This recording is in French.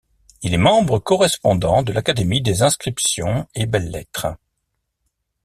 Il est membre correspondant de l'Académie des inscriptions et belles-lettres.